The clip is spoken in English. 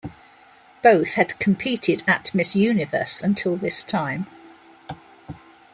Both had competed at Miss Universe until this time.